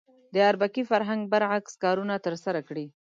د اربکي فرهنګ برعکس کارونه ترسره کړي.